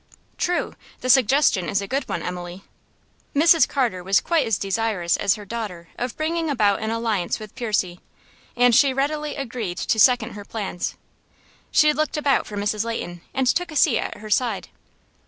"True. The suggestion is a good one, Emily." Mrs. Carter was quite as desirous as her daughter of bringing about an alliance with Percy, and she readily agreed to second her plans. She looked about for Mrs. Leighton, and took a seat at her side.